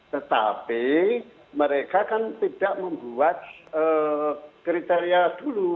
tetapi mereka kan tidak membuat kriteria dulu